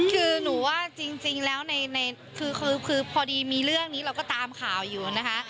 คือหนูว่าจริงแล้วคือพอดีมีเรื่องนี้เราก็ตามข่าวอยู่นะคะ